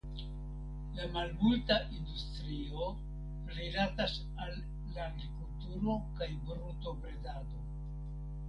La malmulta industrio rilatas al la agrikulturo kaj brutobredado.